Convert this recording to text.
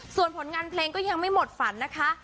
ส่วนผลงานเพลงก็ยังไม่หมดฝันนะคะ